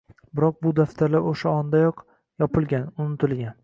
Biroq bu daftarlar o`sha ondayoq yopilgan, unutilgan